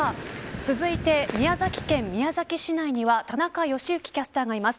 続いて、宮崎県宮崎市内には田中良幸キャスターがいます。